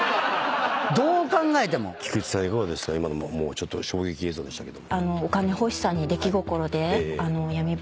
ちょっと衝撃映像でしたけど。